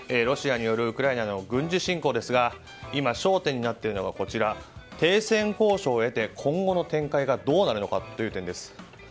ロシアによるウクライナの軍事侵攻ですが今、焦点になっているのは停戦交渉を経て今後の展開がどうなるのかという点です。